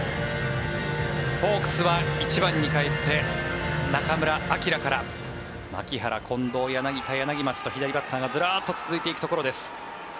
ホークスは１番に帰って中村晃から牧原、近藤、柳田、柳町と左バッターがずらっと並んでいくところです。